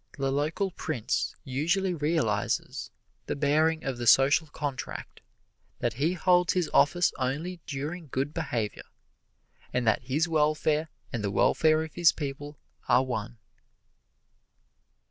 The local prince usually realizes the bearing of the Social Contract that he holds his office only during good behavior, and that his welfare and the welfare of his people are one.